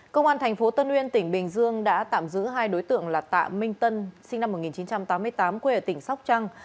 công an tp tân uyên tỉnh bình dương đã tạm giữ hai đối tượng là tạ minh tân sinh năm một nghìn chín trăm tám mươi tám quê ở tỉnh sóc trăng